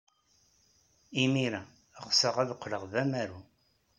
Imir-a, ɣseɣ ad qqleɣ d amaru.